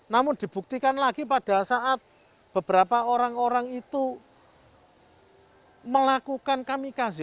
namun dibuktikan lagi pada saat beberapa orang orang itu melakukan kamikasi